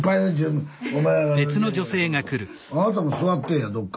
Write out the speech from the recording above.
あなたも座ってえやどっか。